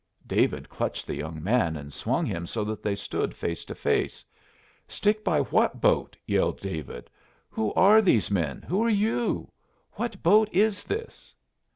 David clutched the young man and swung him so that they stood face to face. "Stick by what boat?" yelled David. "Who are these men? Who are you? What boat is this?"